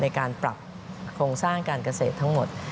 ในการปรับโครงสร้างการเกษตรทั้งหมด